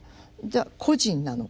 個人なのか。